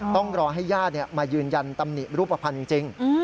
ต้องรอให้ญาติมายืนยันตำหนิรูปภัณฑ์จริง